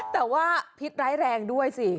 แต่ว่าพิษร้ายแรงด้วยสิ